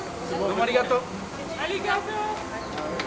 ありがとう。